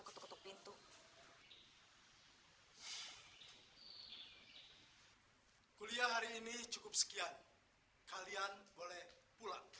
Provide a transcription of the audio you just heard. ketuk ketuk pintu kuliah hari ini cukup sekian kalian boleh pulang